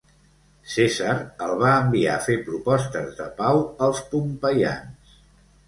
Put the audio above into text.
Cèsar el va enviar a fer propostes de pau als pompeians.